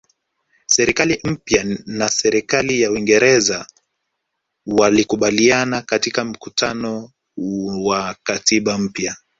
Serikali mpya na serikali ya Uingereza walikubaliana katika mkutano wa katiba mpya